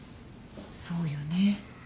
そうよね。